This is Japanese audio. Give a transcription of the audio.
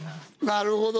なるほどね。